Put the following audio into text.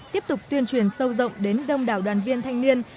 tiếp tục tuyên truyền sâu rộng đến đông đảo đoàn viên thanh niên